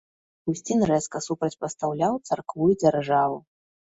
Аўгусцін рэзка супрацьпастаўляў царкву і дзяржаву.